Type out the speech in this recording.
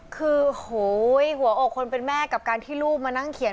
คือโหหัวอกคนเป็นแม่กับการที่ลูกมานั่งเขียน